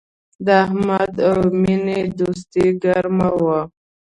د احمد او مینې دوستي گرمه وه